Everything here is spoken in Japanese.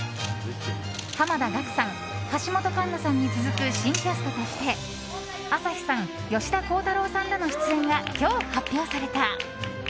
濱田岳さん、橋本環奈さんに続く新キャストとして朝日さん、吉田鋼太郎さんらの出演が今日発表された。